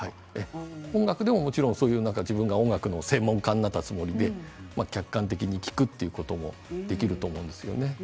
音楽でも、自分が音楽の専門家になったつもりで客観的に聴くこともできると思うんです。